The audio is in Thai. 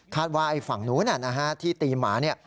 คาดว่าไอ้ฝั่งนู้นนะฮะที่ตีมหาเนี่ย